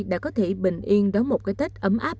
đã có thể bình yên đón một cái tết ấm áp